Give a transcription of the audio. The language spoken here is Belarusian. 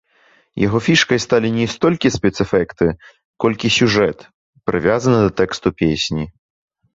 Яго фішкай сталі не столькі спецэфекты, колькі сюжэт, прывязаны да тэксту песні.